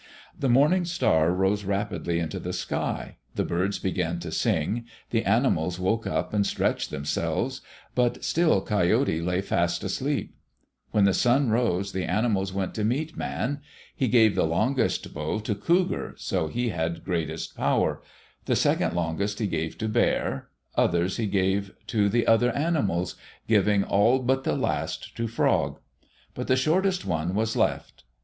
The morning star rose rapidly into the sky. The birds began to sing. The animals woke up and stretched themselves, but still Coyote lay fast asleep. When the sun rose, the animals went to meet Man. He gave the longest bow to Cougar, so he had greatest power; the second longest he gave to Bear; others he gave to the other animals, giving all but the last to Frog. But the shortest one was left.